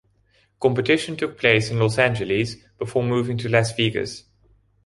Competition took place in Los Angeles, before moving to Las Vegas.